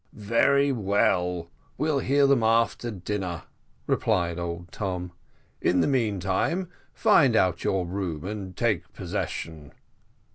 "Very well, we'll hear them after dinner," replied old Tom. "In the meantime find out your room and take possession."